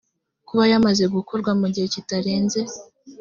kuba yamaze gukorwa mu gihe kitarenze